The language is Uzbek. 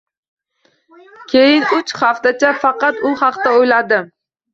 Keyin uch haftacha faqat u haqda o‘yladim